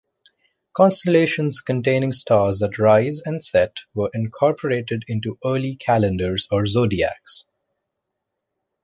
Constellations containing stars that rise and set were incorporated into early calendars or zodiacs.